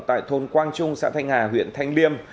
tại thôn quang trung xã thanh hà huyện thanh liêm